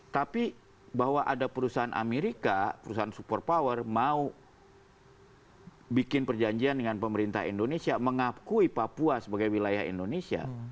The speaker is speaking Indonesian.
tapi bahwa ada perusahaan amerika perusahaan super power mau bikin perjanjian dengan pemerintah indonesia mengakui papua sebagai wilayah indonesia